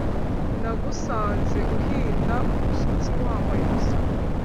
nagusanze - uhinda umushyitsi, wambaye ubusa.